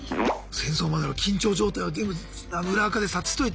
戦争までの緊張状態を全部裏アカで察知しといて。